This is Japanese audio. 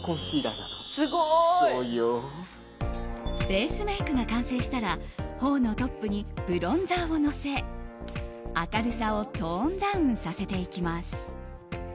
ベースメイクが完成したら頬のトップにブロンザーをのせ明るさをトーンダウンさせていきます。